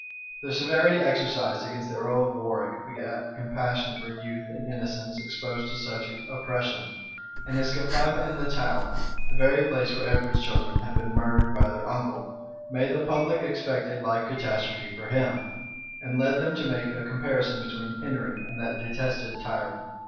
The severity exercised against the earl of Warwick begat compassion for youth and innocence exposed to such oppression; and his confinement in the Tower, the very place where Edward's children had been murdered by their uncle, made the public expect a like catastrophe for him, and led them to make a comparison between Henry and that detested tyrant.